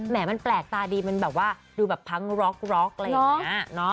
แหมมันแปลกตาดีมันแบบว่าดูแบบพังร๊อกเลยนะ